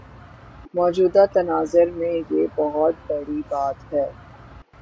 موجودہ تناظر میں یہ بہت بڑی بات ہے۔